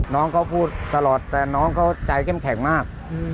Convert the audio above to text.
น้องเขาพูดตลอดแต่น้องเขาใจเข้มแข็งมาก